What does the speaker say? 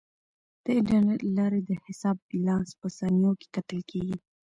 د انټرنیټ له لارې د حساب بیلانس په ثانیو کې کتل کیږي.